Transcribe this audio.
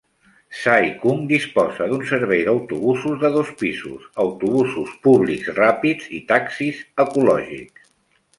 Sai Kung disposa d'un servei d'autobusos de dos pisos, autobusos públics ràpids i taxis ecològics.